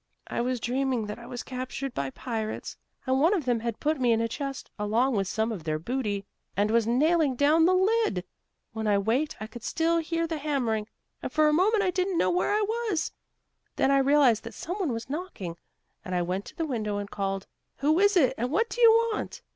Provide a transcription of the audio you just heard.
"I was dreaming that I was captured by pirates, and one of them had put me in a chest, along with some of their booty, and was nailing down the lid. When I waked I could still hear the hammering, and for a moment I didn't know where I was. Then I realized that some one was knocking and I went to the window, and called, 'Who is it and what do you want?'